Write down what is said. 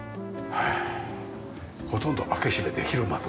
ほとんど開け閉めできる窓だ。